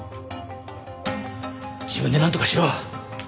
自分でなんとかしろ。